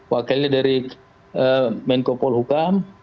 wakilnya dari menko polhukam